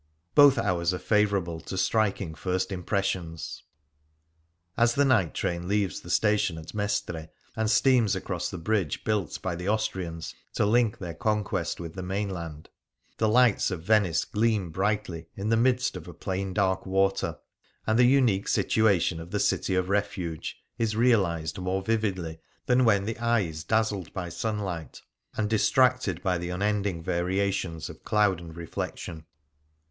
Both hours are favourable to striking first impressions. As the night train leaves the station at Mestre and steams across the bridge built by the Aus trians to link their conquest with the mainland, the lights of Venice gleam brightly in the midst of a plain of dark water ; and the unique situa tion of the City of Refuge is realized more vividly than when the eye is dazzled by sun light and distracted by the unending variations of cloud and reflection.